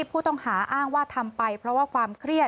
ผู้ต้องหาอ้างว่าทำไปเพราะว่าความเครียด